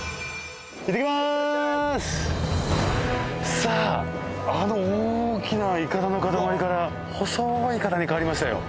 さああの大きな筏の塊から細い筏にかわりましたよ。